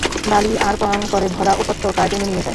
বালি আর কংকরে ভরা উপত্যকায় টেনে নিয়ে যায়।